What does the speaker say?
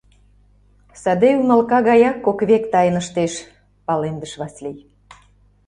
— Саде ӱмылка гаяк кок век тайныштеш, — палемдыш Васлий.